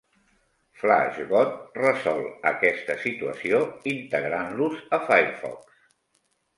FlashGot resol aquest situació integrant-los a Firefox.